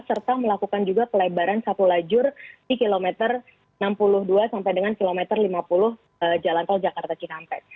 serta melakukan juga pelebaran satu lajur di kilometer enam puluh dua sampai dengan kilometer lima puluh jalan tol jakarta cikampek